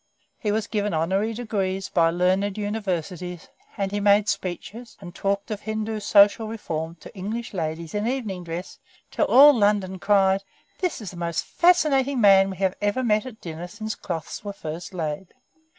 He was given honorary degrees by learned universities, and he made speeches and talked of Hindu social reform to English ladies in evening dress, till all London cried, "This is the most fascinating man we have ever met at dinner since cloths were first laid."